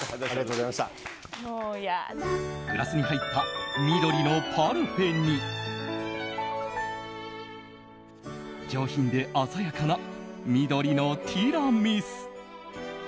グラスに入った緑のパルフェに上品で鮮やかな緑のティラミス。